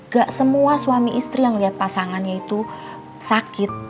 gak semua suami istri yang melihat pasangannya itu sakit